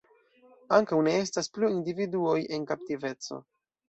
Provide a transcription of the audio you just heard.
Ankaŭ ne estas plu individuoj en kaptiveco.